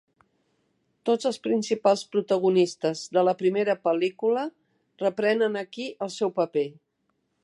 Tots els principals protagonistes de la primera pel·lícula reprenen aquí el seu paper.